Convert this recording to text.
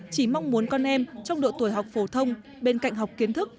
chỉ mong muốn con em trong độ tuổi học phổ thông bên cạnh học kiến thức